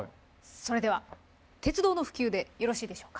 それでは「鉄道の普及」でよろしいでしょうか？